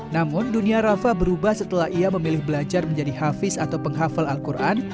namun dunia rafa berubah setelah ia memilih belajar menjadi hafiz atau penghafal al quran